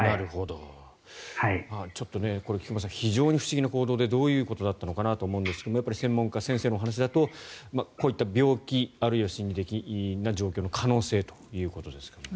ちょっとこれ菊間さん、非常に不思議な行動でどういうことだったのかなと思いますが専門家、先生のお話だとこういった病気あるいは心理的な状況の可能性ということですが。